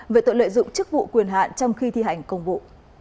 về tội lợi dụng chức vụ quyền hạn trong khi thi hành công vụ